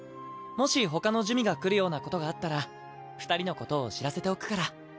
もしほかの珠魅が来るようなことがあったら二人のことを知らせておくから。